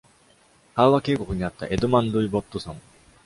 パウア渓谷にあったエドマンドイボットソン。